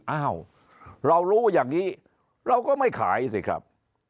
อ้าวเรารู้อย่างนี้เราก็ไม่ขายสิครับ